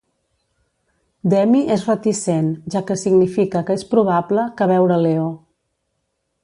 Demi és reticent, ja que significa que és probable que veure Leo.